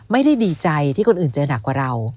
ไม่ได้ดีใจที่คนอื่นเจอหนักกว่าเรา